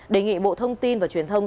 đề nghị bộ thông tin và truyền thông